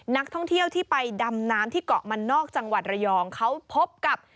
นักท่องเที่ยวที่ไปดำน้ำที่เกาะมันนอกจังหวัดระยองเขาพบกับ